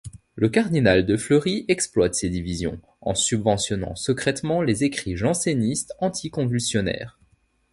Le cardinal de Fleury exploite ces divisions, en subventionnant secrètement les écrits jansénistes anti-convulsionnaires.